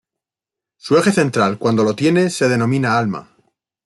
Su eje central, cuando lo tiene, se denomina alma.